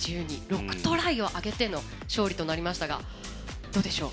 ６トライを挙げての勝利となりましたがどうでしょう？